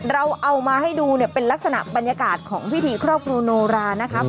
เราเอามาให้ดูเนี่ยเป็นลักษณะบรรยากาศของพิธีครอบครูโนรานะครับ